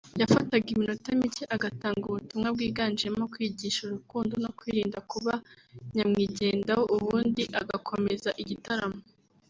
yafataga iminota mike agatanga ubutumwa bwiganjemo kwigisha ‘urukundo no kwirinda kuba nyamwigendaho’ ubundi agakomeza igitaramo